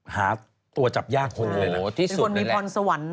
หาตัวจับยากคนเลยนะโอ้โหที่สุดแหละเป็นคนมีพรสวรรค์